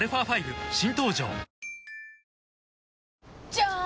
じゃーん！